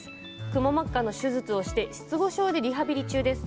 くも膜下の手術をして失語症でリハビリ中です。